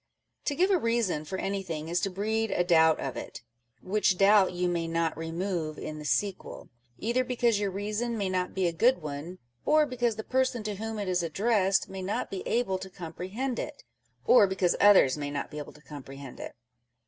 To give a reason for anything is to breed a doubt of it, which doubt you may not remove in the sequel ; either because your reason may not be a good one, or because the person to whom it is addressed may not be able to comprehend it, or because others may not be able to comprehend it.